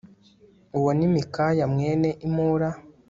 uwo ni Mikaya mwene Imula